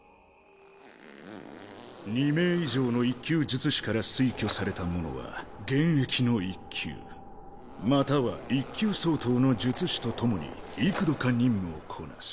２名以上の１級術師から推挙された者は現役の１級または１級相当の術師と共に幾度か任務をこなす。